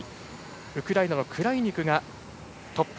ウクライナのクライニクがトップ。